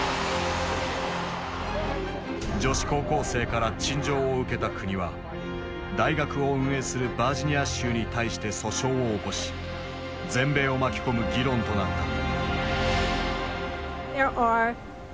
女子高校生から陳情を受けた国は大学を運営するバージニア州に対して訴訟を起こし全米を巻き込む議論となった。